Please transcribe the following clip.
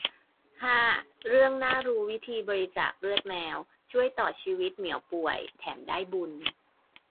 ห้า เรื่องน่ารู้วิธีบริจาคเลือดแมว ช่วยต่อชีวิตเหมียวป่วย แถมได้บุญ